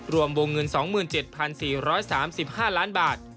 รวมวงเงิน๒๗๔๓๕ล้านบาท